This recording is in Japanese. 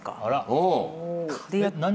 あら。